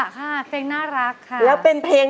จังหวะค่ะเพลงน่ารักค่ะ